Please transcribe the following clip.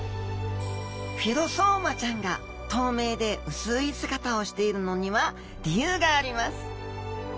フィロソーマちゃんが透明で薄い姿をしているのには理由があります。